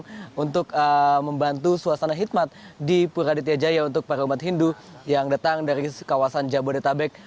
jadi saya berharap untuk membantu suasana hikmat di pura aditya jaya untuk para umat hindu yang datang dari kawasan jabodetabek